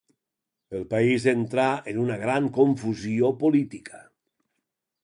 El país entrà en una gran confusió política.